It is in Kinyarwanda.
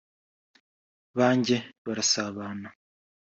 bajye basabana